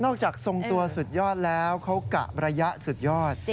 จากทรงตัวสุดยอดแล้วเขากะระยะสุดยอด